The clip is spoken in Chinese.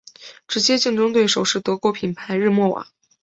直接竞争对手是德国品牌日默瓦。